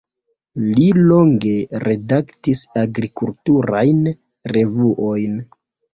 Li longe redaktis agrikulturajn revuojn.